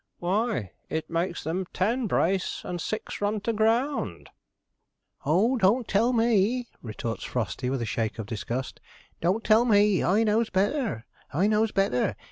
why, it makes them ten brace, and six run to ground.' 'Oh, don't tell me,' retorts Frosty, with a shake of disgust; 'don't tell me. I knows better I knows better.